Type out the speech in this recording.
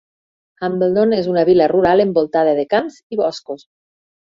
Hambledon és una vila rural envoltada de camps i boscos.